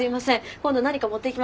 今度何か持っていきますんで。